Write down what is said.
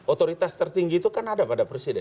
otoritas tertinggi itu kan ada pada presiden